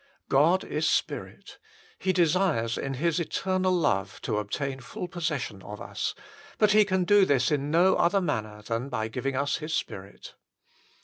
God is spirit : He desires in His eternal love to obtain full possession of us ; but He can do this in no other manner than by giving us His Spirit.